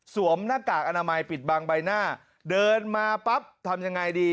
หน้ากากอนามัยปิดบังใบหน้าเดินมาปั๊บทำยังไงดี